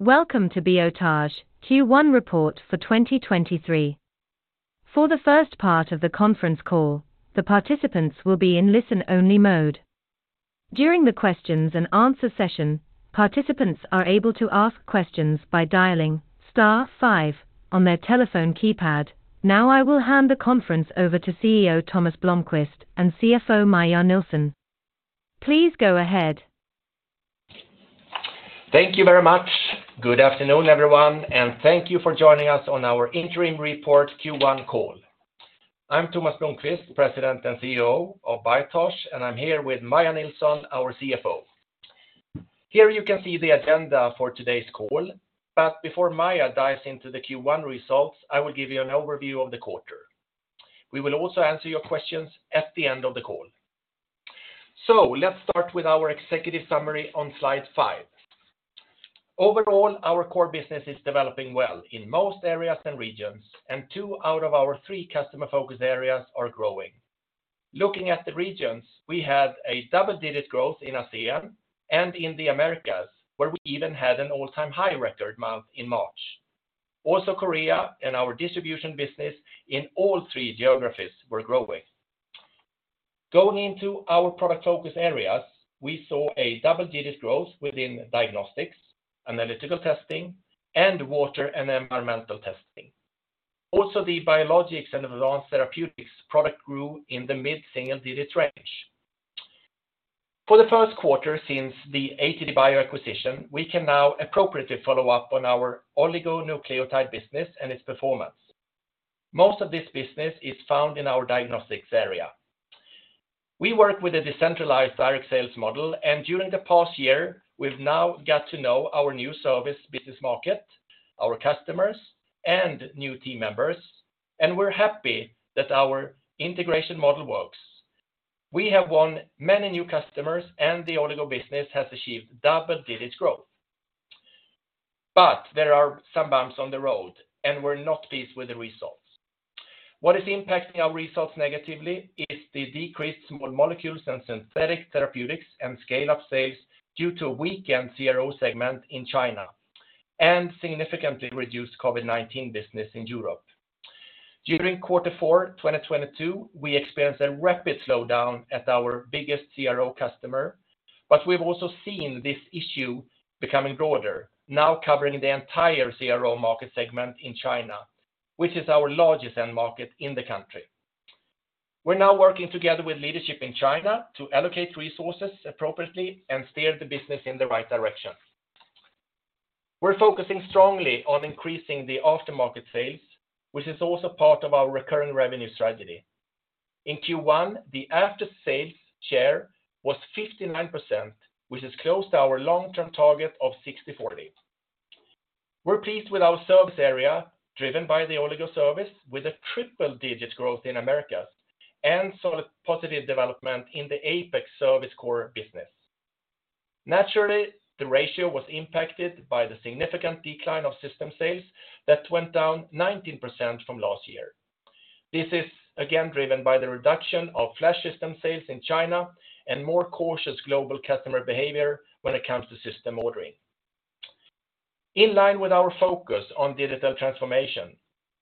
Welcome to Biotage Q1 Report for 2023. For the first part of the conference call, the participants will be in listen-only mode. During the question-and-answer session, participants are able to ask questions by dialing star five on their telephone keypad. I will hand the conference over to CEO Tomas Blomquist and CFO Maja Nilsson. Please go ahead. Thank you very much. Good afternoon, everyone, and thank you for joining us on our Interim Report Q1 Call. I'm Tomas Blomquist, President and CEO of Biotage, and I'm here with Maja Nilsson, our CFO. Here you can see the agenda for today's call. Before Maja dives into the Q1 results, I will give you an overview of the quarter. We will also answer your questions at the end of the call. Let's start with our executive summary on slide five. Overall, our core business is developing well in most areas and regions, and two out of our three customer focus areas are growing. Looking at the regions, we had a double-digit growth in ASEAN and in the Americas, where we even had an all-time high record month in March. Also Korea and our distribution business in all three geographies were growing. Going into our product focus areas, we saw a double-digit growth within diagnostics, Analytical Testing, and Water and Environmental Testing. The Biologics and Advanced Therapeutics product grew in the mid-single-digit range. For the first quarter since the ATDBio acquisition, we can now appropriately follow up on our oligonucleotide business and its performance. Most of this business is found in our diagnostics area. We work with a decentralized direct sales model, and during the past year, we've now got to know our new service business market, our customers, and new team members, and we're happy that our integration model works. We have won many new customers, and the oligo business has achieved double-digit growth. There are some bumps on the road, and we're not pleased with the results. What is impacting our results negatively is the decreased Small Molecules and Synthetic Therapeutics and Scale-Up sales due to a weakened CRO segment in China and significantly reduced COVID-19 business in Europe. During quarter four, 2022, we experienced a rapid slowdown at our biggest CRO customer. We've also seen this issue becoming broader, now covering the entire CRO market segment in China, which is our largest end market in the country. We're now working together with leadership in China to allocate resources appropriately and steer the business in the right direction. We're focusing strongly on increasing the aftermarket sales, which is also part of our recurring revenue strategy. In Q1, the after-sales share was 59%, which is close to our long-term target of 60/40. We're pleased with our service area driven by the oligo service with a triple-digit growth in Americas and solid positive development in the Apex service core business. Naturally, the ratio was impacted by the significant decline of system sales that went down 19% from last year. This is again driven by the reduction of flash system sales in China and more cautious global customer behavior when it comes to system ordering. In line with our focus on digital transformation,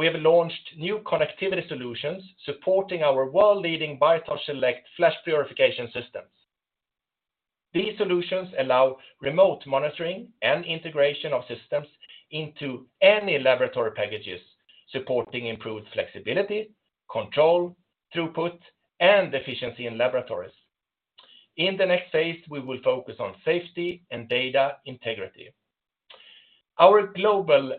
we have launched new connectivity solutions supporting our world-leading Biotage Selekt flash purification systems. These solutions allow remote monitoring and integration of systems into any laboratory packages, supporting improved flexibility, control, throughput, and efficiency in laboratories. In the next phase, we will focus on safety and data integrity. Our global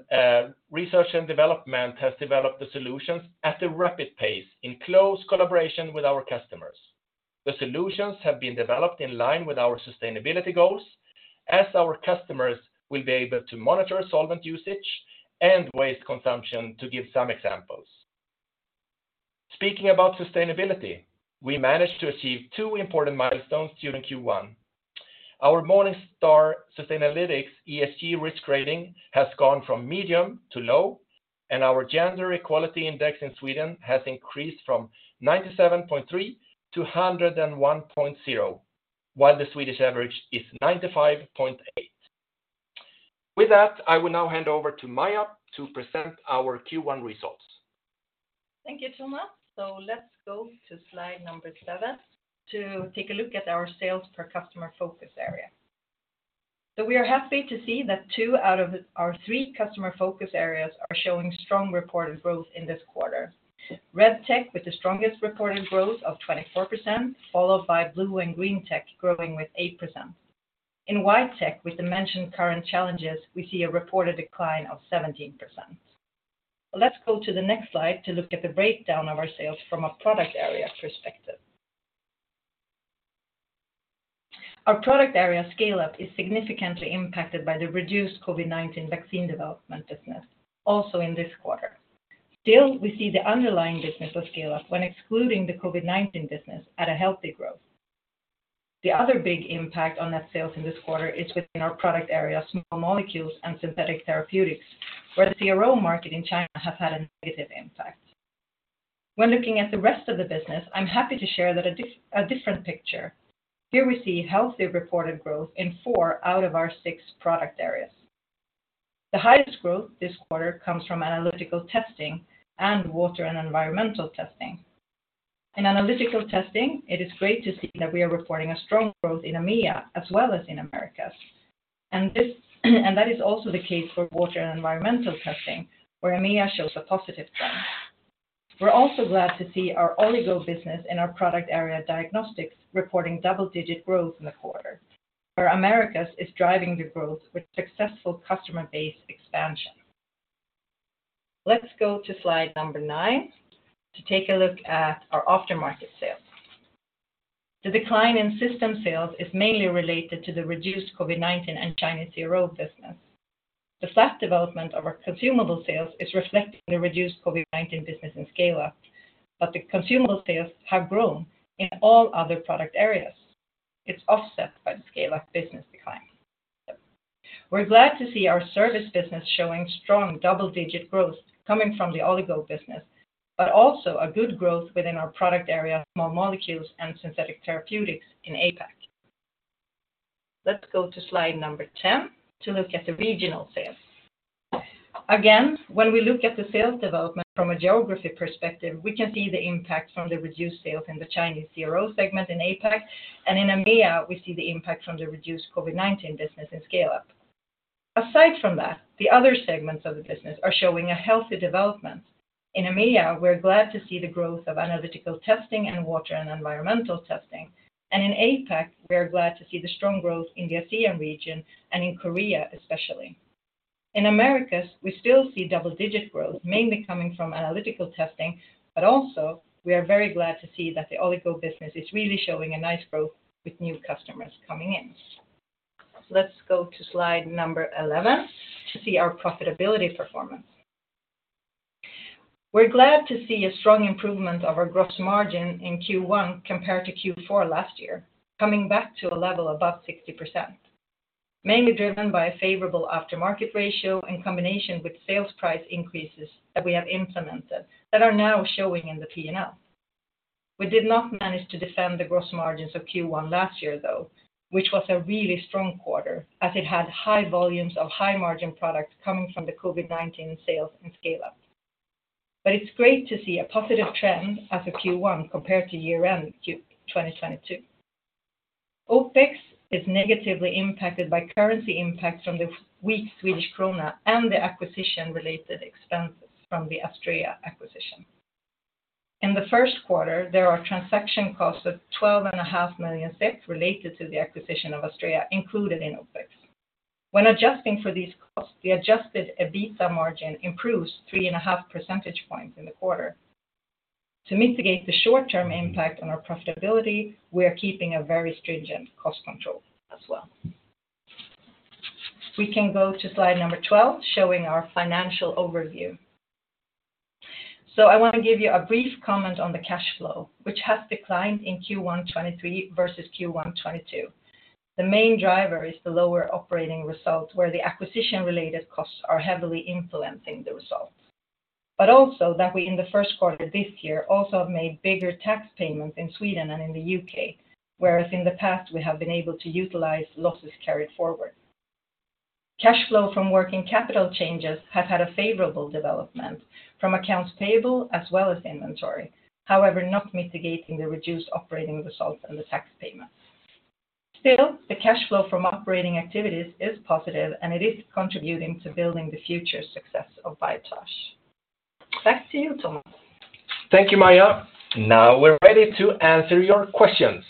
research and development has developed the solutions at a rapid pace in close collaboration with our customers. The solutions have been developed in line with our sustainability goals as our customers will be able to monitor solvent usage and waste consumption to give some examples. Speaking about sustainability, we managed to achieve two important milestones during Q1. Our Morningstar Sustainalytics ESG risk rating has gone from medium to low, and our Gender Equality Index in Sweden has increased from 97.3% to 101.0%, while the Swedish average is 95.8%. With that, I will now hand over to Maja to present our Q1 results. Thank you, Tomas. Let's go to slide number seven to take a look at our sales per customer focus area. We are happy to see that two out of our three customer focus areas are showing strong reported growth in this quarter. Red tech with the strongest reported growth of 24%, followed by blue and green tech growing with 8%. In white tech, with the mentioned current challenges, we see a reported decline of 17%. Let's go to the next slide to look at the breakdown of our sales from a product area perspective. Our product area Scale-Up is significantly impacted by the reduced COVID-19 vaccine development business, also in this quarter. Still, we see the underlying business of Scale-Up when excluding the COVID-19 business at a healthy growth. The other big impact on net sales in this quarter is within our product area, Small Molecules and Synthetic Therapeutics, where the CRO market in China have had a negative impact. When looking at the rest of the business, I'm happy to share that a different picture. Here we see healthy reported growth in 4 out of our six product areas. The highest growth this quarter comes from Analytical Testing and Water and Environmental Testing. In Analytical Testing, it is great to see that we are reporting a strong growth in EMEA as well as in Americas. That is also the case for Water and Environmental Testing, where EMEA shows a positive trend. We're also glad to see our Oligo business in our product area Diagnostics reporting double-digit growth in the quarter, where Americas is driving the growth with successful customer base expansion. Let's go to slide number nine to take a look at our aftermarket sales. The decline in system sales is mainly related to the reduced COVID-19 and Chinese CRO business. The flat development of our consumable sales is reflecting the reduced COVID-19 business in Scale-Up, but the consumable sales have grown in all other product areas. It's offset by the Scale-Up business decline. We're glad to see our service business showing strong double-digit growth coming from the oligo business, but also a good growth within our product area, Small Molecules and Synthetic Therapeutics in APAC. Let's go to slide number 10 to look at the regional sales. Again, when we look at the sales development from a geography perspective, we can see the impact from the reduced sales in the Chinese CRO segment in APAC. And in EMEA, we see the impact from the reduced COVID-19 business in Scale-Up. Aside from that, the other segments of the business are showing a healthy development. In EMEA, we're glad to see the growth of Analytical Testing and Water and Environmental Testing. In APAC, we are glad to see the strong growth in the ASEAN region and in Korea, especially. In Americas, we still see double-digit growth, mainly coming from Analytical Testing, but also we are very glad to see that the Oligo business is really showing a nice growth with new customers coming in. Let's go to slide number 11 to see our profitability performance. We're glad to see a strong improvement of our gross margin in Q1 compared to Q4 last year, coming back to a level above 60%, mainly driven by a favorable aftermarket ratio in combination with sales price increases that we have implemented that are now showing in the P&L. We did not manage to defend the gross margins of Q1 last year, though, which was a really strong quarter as it had high volumes of high margin products coming from the COVID-19 sales and scale-up. It's great to see a positive trend as of Q1 compared to year-end 2022. OpEx is negatively impacted by currency impacts from the weak Swedish krona and the acquisition-related expenses from the Astrea acquisition. In the first quarter, there are transaction costs of twelve and a half million SEK related to the acquisition of Astrea included in OpEx. When adjusting for these costs, the adjusted EBITDA margin improves 3.5 percentage points in the quarter. To mitigate the short term impact on our profitability, we are keeping a very stringent cost control as well. We can go to slide number 12, showing our financial overview. I want to give you a brief comment on the cash flow, which has declined in Q1 2023 versus Q1 2022. The main driver is the lower operating results, where the acquisition related costs are heavily influencing the results. Also that we in the first quarter this year also have made bigger tax payments in Sweden and in the U.K., whereas in the past, we have been able to utilize losses carried forward. Cash flow from working capital changes have had a favorable development from accounts payable as well as inventory, however, not mitigating the reduced operating results and the tax payments. Still, the cash flow from operating activities is positive and it is contributing to building the future success of Biotage. Back to you, Tomas. Thank you, Maja. Now we're ready to answer your questions.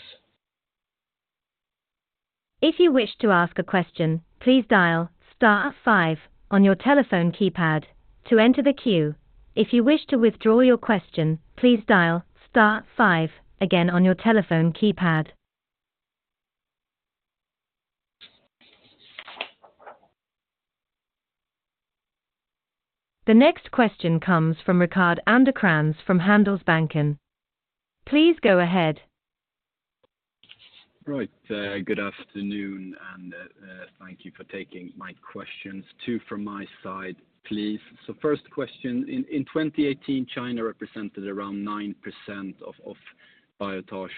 If you wish to ask a question, please dial star five on your telephone keypad to enter the queue. If you wish to withdraw your question, please dial star five again on your telephone keypad. The next question comes from Rickard Anderkrans from Handelsbanken. Please go ahead. Good afternoon, and thank you for taking my questions. Two from my side, please. First question, in 2018, China represented around 9% of Biotage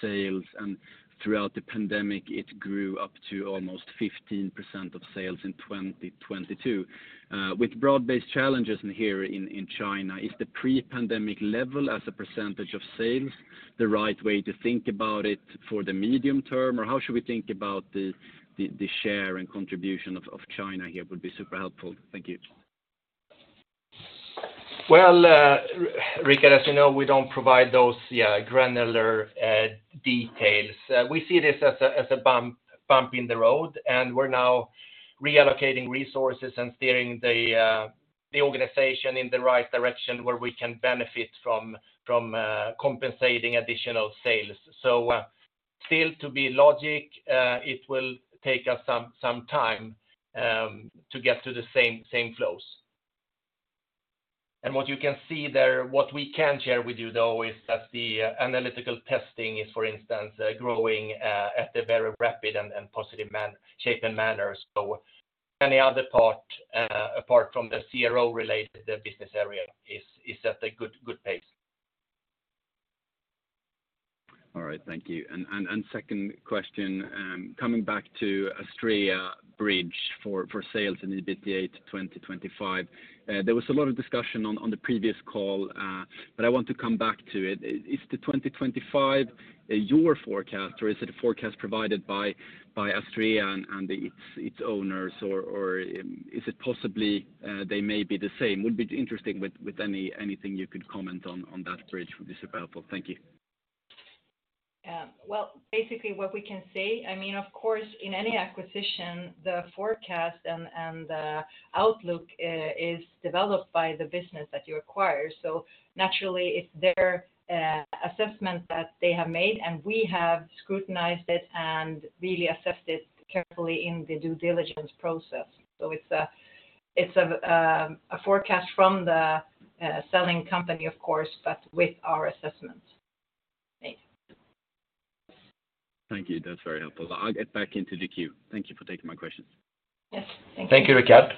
sales, and throughout the pandemic, it grew up to almost 15% of sales in 2022. With broad-based challenges in here in China, is the pre-pandemic level as a percentage of sales the right way to think about it for the medium term? Or how should we think about the share and contribution of China here would be super helpful. Thank you. Well, Rickard, as you know, we don't provide those granular details. We see this as a bump in the road, and we're now reallocating resources and steering the organization in the right direction where we can benefit from compensating additional sales. Still to be logic, it will take us some time to get to the same flows. What you can see there, what we can share with you, though, is that the Analytical Testing is, for instance, growing at a very rapid and positive shape and manner. Any other part apart from the CRO related business area is at a good pace. All right, thank you. Second question, coming back to Astrea bridge for sales in EBITDA 2025. There was a lot of discussion on the previous call, but I want to come back to it. Is the 2025 your forecast or is it a forecast provided by Astrea and its owners, or is it possibly, they may be the same? Would be interesting with anything you could comment on that bridge would be super helpful. Thank you. Well, basically what we can say, of course, in any acquisition, the forecast and the outlook is developed by the business that you acquire. Naturally it's their assessment that they have made, and we have scrutinized it and really assessed it carefully in the due diligence process. It's a forecast from the selling company, of course, but with our assessment made. Thank you. That's very helpful. I'll get back into the queue. Thank you for taking my questions. Thank you, Rickard.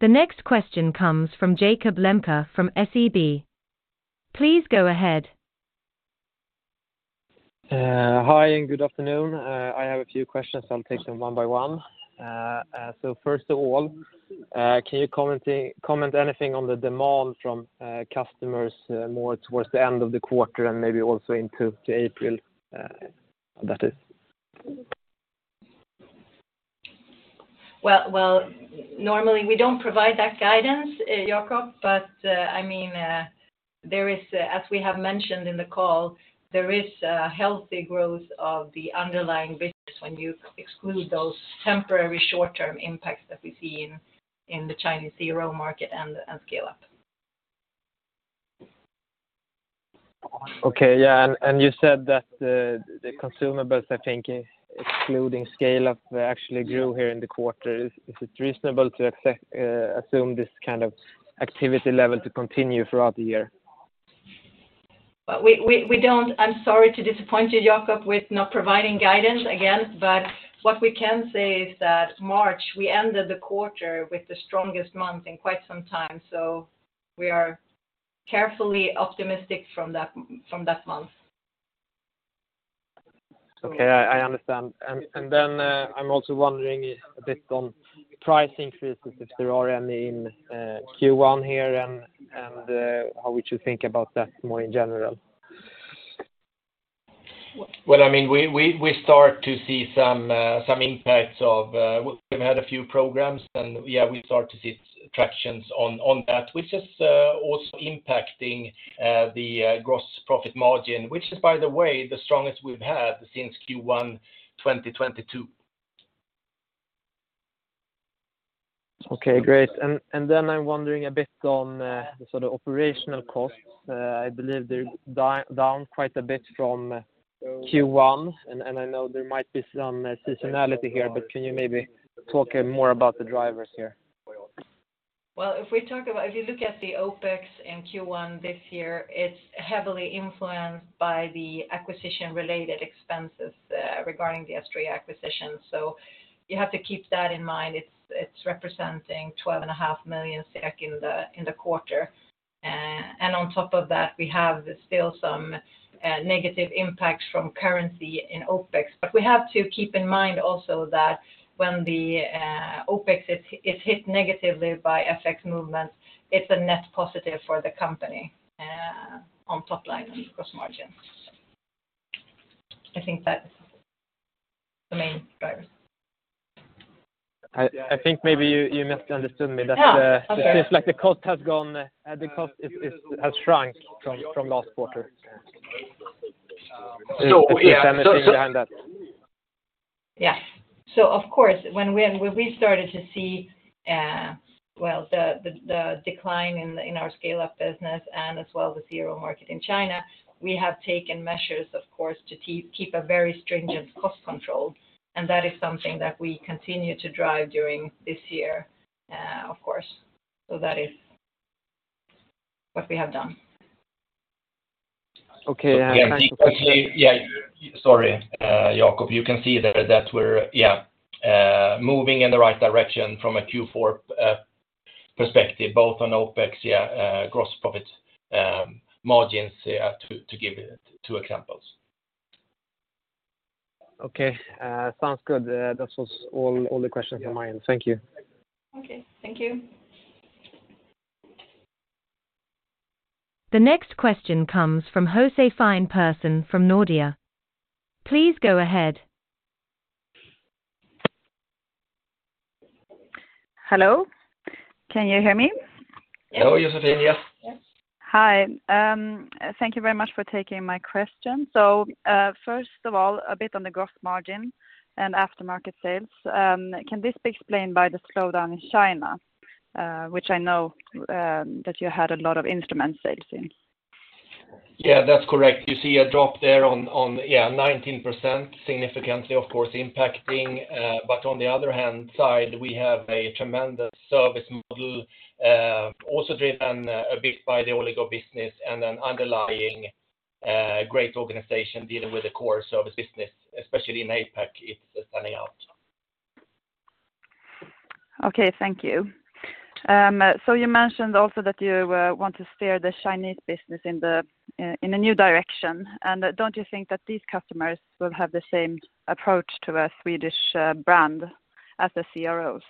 The next question comes from Jakob Lembke from SEB. Please go ahead. Hi, and good afternoon. I have a few questions. I'll take them one by one. First of all, can you currently comment anything on the demand from customers more towards the end of the quarter and maybe also into April, that is? Well, normally we don't provide that guidance, Jakob, but as we have mentioned in the call, there is a healthy growth of the underlying business when you exclude those temporary short-term impacts that we see in the Chinese CRO market and Scale-Up. You said that the consumables, excluding Scale-Up actually grew here in the quarter. Is it reasonable to assume this activity level to continue throughout the year? We don't. I'm sorry to disappoint you, Jakob, with not providing guidance again, but what we can say is that March, we ended the quarter with the strongest month in quite some time, so we are carefully optimistic from that month. I understand. Then, I'm also wondering a bit on price increases, if there are any in Q1 here and how would you think about that more in general? Well, we start to see some impacts of we've had a few programs and we start to see tractions on that, which is also impacting the gross profit margin, which is, by the way, the strongest we've had since Q1 2022. Great. Then I'm wondering a bit on the operational costs. I believe they're down quite a bit from Q1, and I know there might be some seasonality here, but can you maybe talk more about the drivers here? Well, if you look at the OpEx in Q1 this year, it's heavily influenced by the acquisition-related expenses, regarding the Astrea acquisition. You have to keep that in mind. It's representing 12.5 million in the quarter. On top of that, we have still some negative impacts from currency in OpEx. We have to keep in mind also that when the OpEx is hit negatively by FX movements, it's a net positive for the company on top line and gross margins. I think that's the main driver. I think maybe you misunderstood me. Okay. It seems like the cost is has shrunk from last quarter. Is there any mechanism behind that? Yes, of course, when we started to see, well, the decline in our Scale-Up business and as well the CRO market in China, we have taken measures, of course, to keep a very stringent cost control. That is something that we continue to drive during this year, of course. That is what we have done. Sorry, Jakob. You can see that we're moving in the right direction from a Q4 perspective, both on OpEx, gross profit, and margins, to give two examples. Sounds good. That was all the questions from mine. Thank you. Thank you. The next question comes from Josefine Persson from Nordea. Please go ahead. Hi. Thank you very much for taking my question. First of all, a bit on the gross margin and aftermarket sales. Can this be explained by the slowdown in China, which I know that you had a lot of instrument sales in? That's correct. You see a drop there on, 19%, significantly, of course, impacting. On the other hand side, we have a tremendous service model, also driven a bit by the oligo business and an underlying, great organization dealing with the core service business, especially in APAC, it's standing out. Thank you. You mentioned also that you want to steer the Chinese business in the in a new direction. Don't you think that these customers will have the same approach to a Swedish brand as the CROs?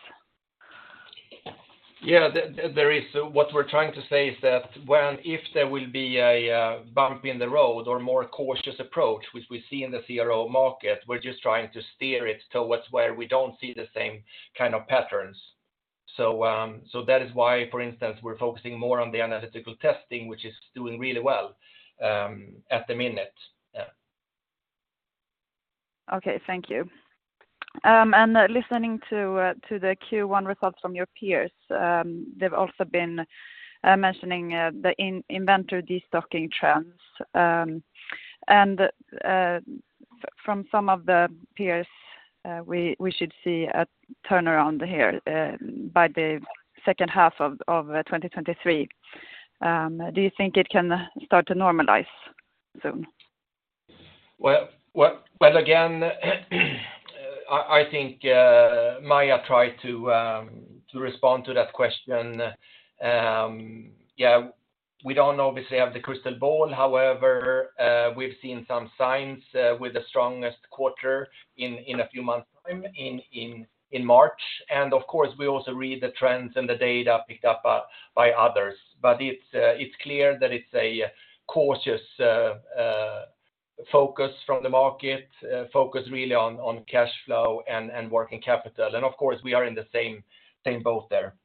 What we're trying to say is that when, if there will be a bump in the road or more cautious approach, which we see in the CRO market, we're just trying to steer it towards where we don't see the same patterns. That is why, for instance, we're focusing more on the Analytical Testing, which is doing really well at the minute. Thank you. Listening to the Q1 results from your peers, they've also been mentioning the in-inventory destocking trends. From some of the peers, we should see a turnaround here by the second half of 2023. Do you think it can start to normalize soon? Well, again, Maja tried to respond to that question. We don't obviously have the crystal ball. However, we've seen some signs with the strongest quarter in a few months time in March. Of course, we also read the trends and the data picked up by others. It's clear that it's a cautious focus from the market, focus really on cash flow and working capital. Of course, we are in the same boat there.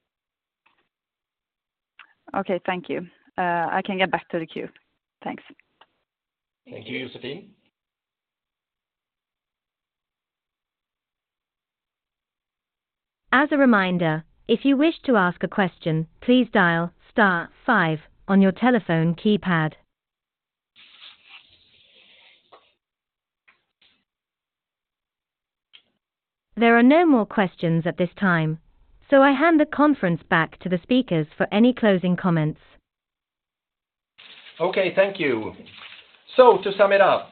Thank you. I can get back to the queue. Thanks. Thank you, Josefine. As a reminder, if you wish to ask a question, please dial star five on your telephone keypad. There are no more questions at this time, so I hand the conference back to the speakers for any closing comments. Thank you. To sum it up,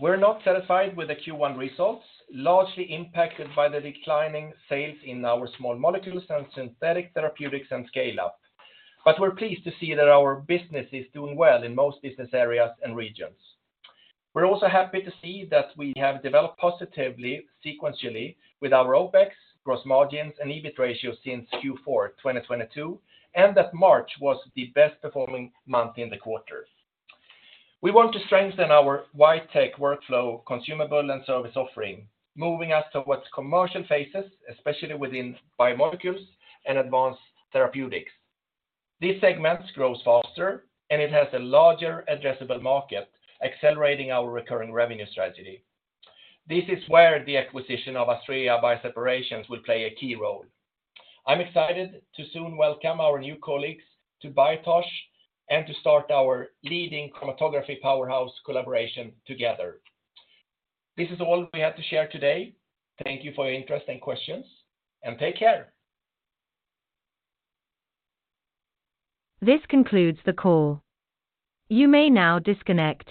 we're not satisfied with the Q1 results, largely impacted by the declining sales in our Small Molecules and Synthetic Therapeutics and Scale-Up. We're pleased to see that our business is doing well in most business areas and regions. We're also happy to see that we have developed positively sequentially with our OpEx gross margins and EBIT ratio since Q4 2022, and that March was the best performing month in the quarter. We want to strengthen our wide tech workflow, consumables and service offering, moving us towards commercial phases, especially within biomolecules and advanced therapeutics. These segments grows faster, and it has a larger addressable market, accelerating our recurring revenue strategy. This is where the acquisition of Astrea Bioseparations will play a key role. I'm excited to soon welcome our new colleagues to Biotage and to start our leading chromatography powerhouse collaboration together. This is all we have to share today. Thank you for your interest and questions, and take care. This concludes the call. You may now disconnect.